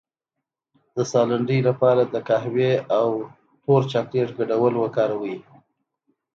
د ساه لنډۍ لپاره د قهوې او تور چاکلیټ ګډول وکاروئ